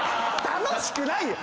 楽しくないよ！